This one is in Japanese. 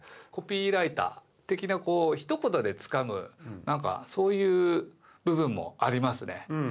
コピーライター的なこうひと言でつかむなんかそういう部分もありますね。